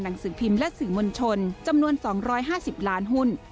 หนังสือพิมพ์และสื่อมวลชนจำนวน๒๕๐ล้านหุ้น